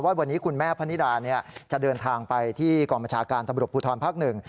ว่าวันนี้คุณแม่พะนิดาจะเดินทางไปที่กรมจาการตำรวจภูทรภักดิ์๑